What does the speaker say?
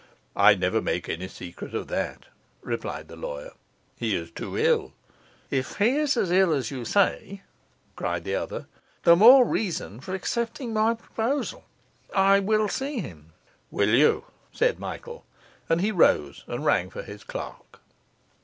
'I never make any secret of that,' replied the lawyer. 'He is too ill.' 'If he is as ill as you say,' cried the other, 'the more reason for accepting my proposal. I will see him.' 'Will you?' said Michael, and he rose and rang for his clerk.